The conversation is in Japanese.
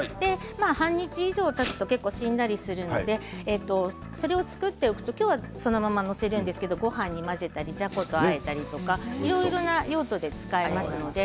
半日以上たつとしんなりするのでそれを作っておくとそのまま載せるんですがごはんに混ぜたりじゃことあえたりいろいろな用途で使います。